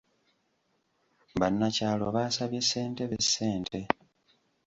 Bannakyalo baasabye ssentebe ssente